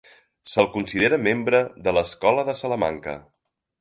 Se'l considera membre de l'Escola de Salamanca.